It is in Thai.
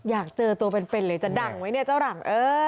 อยากเจอตัวเป็นเลยจะดังไหมเนี่ยเจ้าหลัง